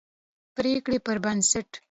پرېکړې پربنسټ